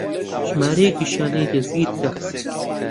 ژمارەیەکیشیان لێ دەستگیر کرا